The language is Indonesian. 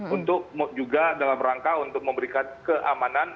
untuk juga dalam rangka untuk memberikan keamanan